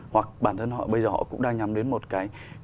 hoặc bản thân họ bây giờ họ cũng đang nhắm đến một cái